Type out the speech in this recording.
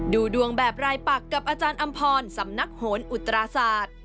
ดูดวงแบบรายปักกับอาจารย์อำพรสำนักโหนอุตราศาสตร์